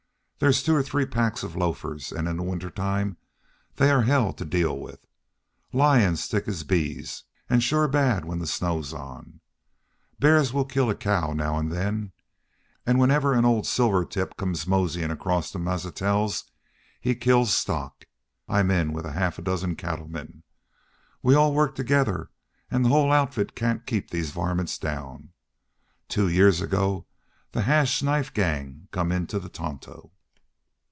There's two or three packs of lofers, an' in winter time they are hell to deal with. Lions thick as bees, an' shore bad when the snow's on. Bears will kill a cow now an' then. An' whenever an' old silvertip comes mozyin' across from the Mazatzals he kills stock. I'm in with half a dozen cattlemen. We all work together, an' the whole outfit cain't keep these vermints down. Then two years ago the Hash Knife Gang come into the Tonto."